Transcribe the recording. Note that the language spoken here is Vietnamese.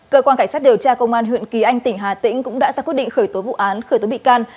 cơ quan cảnh sát điều tra công an huyện kỳ anh tỉnh hà tĩnh cũng đã ra quyết định khởi tố vụ án khởi tố bị can